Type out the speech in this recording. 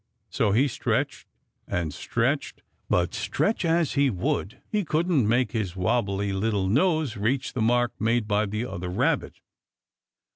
So he stretched and stretched, but stretch as he would, he couldn't make his wobbly little nose reach the mark made by the other Rabbit.